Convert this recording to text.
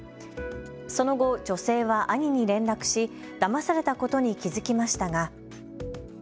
その後、女性は兄に連絡しだまされたことに気付きましたが。